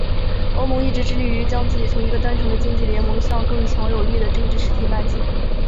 欧盟一直致力于将自己从一个单纯的经济联盟向更强有力的政治实体迈进。